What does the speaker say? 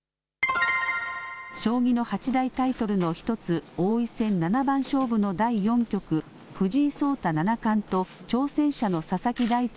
将棋の八大タイトルの１つ、王位戦七番勝負の第４局、藤井聡太七冠と挑戦者の佐々木大地